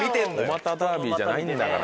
お股ダービーじゃないんだから。